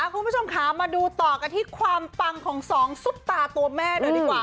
คุณผู้ชมค่ะมาดูต่อกันที่ความปังของสองซุปตาตัวแม่หน่อยดีกว่า